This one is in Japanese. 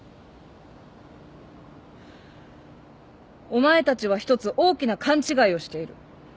お前たちは一つ大きな勘違いをしている。